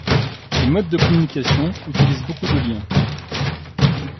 Ces modes de communication utilisent beaucoup de liens.